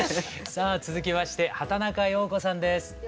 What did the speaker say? さあ続きまして畑中葉子さんです。